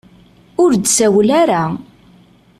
Ur d-tsawala ara.